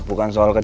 ini bukan soal gede